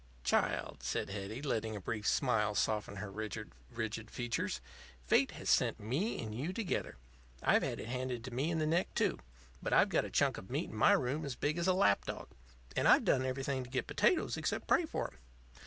"Child," said Hetty, letting a brief smile soften her rigid features, "Fate has sent me and you together. I've had it handed to me in the neck, too; but I've got a chunk of meat in my, room as big as a lap dog. And I've done everything to get potatoes except pray for 'em.